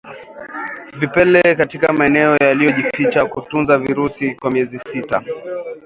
Vipele katika maeneo yaliyojificha hutunza virusi kwa miezi sita